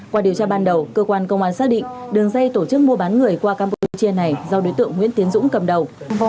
qua điều tra ban đầu cơ quan công an xác định đường dây tổ chức mua bán người qua campuchia này do đối tượng nguyễn tiến dũng cầm đầu